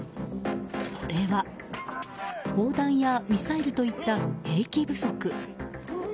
それは砲弾やミサイルといった兵器不足。